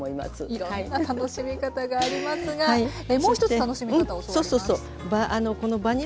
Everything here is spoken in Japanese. いろんな楽しみ方がありますがもう一つ楽しみ方教わります。